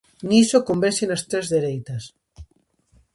Niso converxen as tres dereitas.